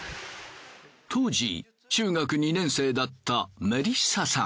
当時中学２年生だったメリッサさん。